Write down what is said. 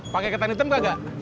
pake ketang hitam kagak